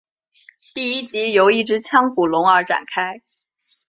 第一集由一只腔骨龙而展开。